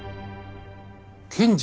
検事？